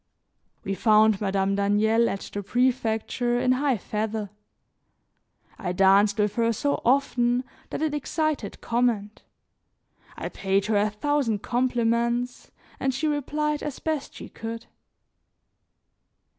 We found Madame Daniel at the prefecture in high feather. I danced with her so often that it excited comment, I paid her a thousand compliments and she replied as best she could.